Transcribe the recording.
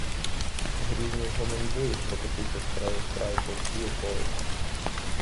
Грізний гомін бою прокотився з краю в край по всій околиці.